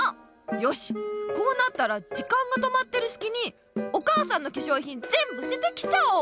よしこうなったら時間が止まってるすきにお母さんのけしょうひんぜんぶすててきちゃおう！